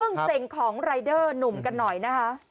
เบื้องเต็งของรายเดอร์หนุ่มกันหน่อยนะฮะ